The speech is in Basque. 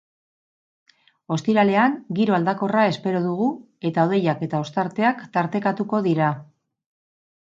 Ostiralean, giro aldakorra espero dugu, eta hodeiak eta ostarteak tartekatuko dira.